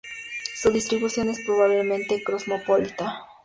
Su distribución es probablemente cosmopolita.